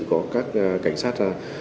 có các cảnh sát